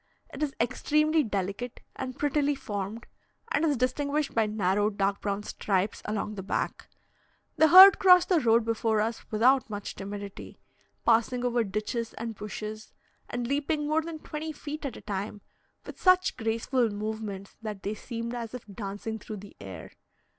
It is extremely delicate and prettily formed, and is distinguished by narrow dark brown stripes along the back. The herd crossed the road before us without much timidity, passing over ditches and bushes, and leaping more than twenty feet at a time, with such graceful movements that they seemed as if dancing through the air.